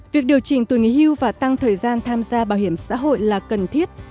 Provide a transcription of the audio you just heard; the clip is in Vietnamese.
việc điều chỉnh tuổi nghỉ hưu và tăng thời gian tham gia bảo hiểm xã hội là cần thiết